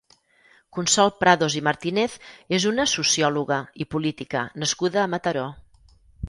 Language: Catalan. Consol Prados i Martínez és una sociòloga i política nascuda a Mataró.